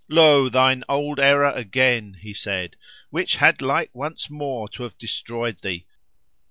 "Lo! thine old error again," he said, "which had like once more to have destroyed thee!